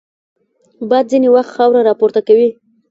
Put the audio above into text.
باد ځینې وخت خاوره راپورته کوي